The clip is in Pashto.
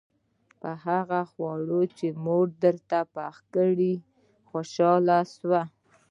په هغه خواړو چې مور درته پاخه کړي خوشاله اوسه.